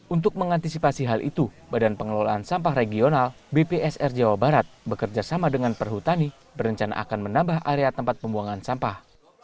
untuk mengantisipasi hal itu badan pengelolaan sampah regional bpsr jawa barat bekerjasama dengan perhutani berencana akan menambah area tempat pembuangan sampah